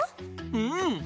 うん！